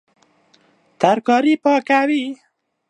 ترکاري پاکوي